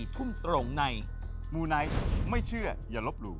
ทุ่มตรงในมูไนท์ไม่เชื่ออย่าลบหลู่